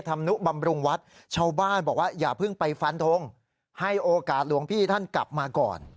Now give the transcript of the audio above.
ธรรมนุบำรุงวัดชาวบ้านบอกว่าอย่าเพิ่งไปฟันทงให้โอกาสหลวงพี่ท่านกลับมาก่อน